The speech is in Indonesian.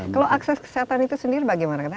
kalau akses kesehatan itu sendiri bagaimana